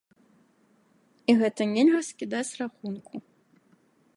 І гэта нельга скідаць з рахунку.